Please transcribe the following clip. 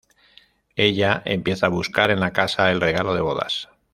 Ella empieza a buscar en la casa el regalo de bodas.